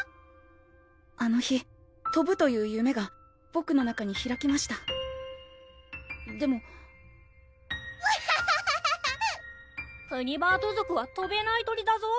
あの日とぶという夢がボクの中に開きましたでも・ブワハハハハ・・プニバード族はとべない鳥だぞ？